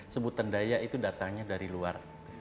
sebutan daya itu datangnya dari luar